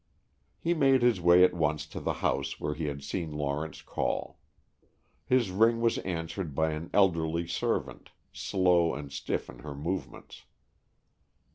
He made his way at once to the house where he had seen Lawrence call. His ring was answered by an elderly servant, slow and stiff in her movements.